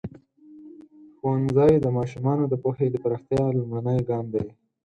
ښوونځی د ماشومانو د پوهې د پراختیا لومړنی ګام دی.